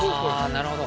あなるほど！